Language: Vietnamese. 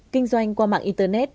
kinh doanh qua mạng internet